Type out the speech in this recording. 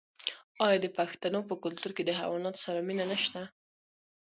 آیا د پښتنو په کلتور کې د حیواناتو سره مینه نشته؟